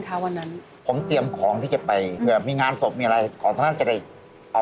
แล้วแล้วเมียกูเป็นอย่างไรแล้ว